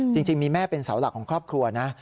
จริงมีแม่เป็นเสาหลักของครอบครัวนะ